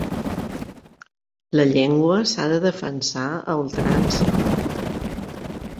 La llengua s’ha de defensar a ultrança.